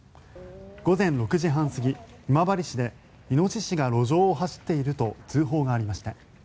午前６時半過ぎ、今治市でイノシシが路上を走っていると通報がありました。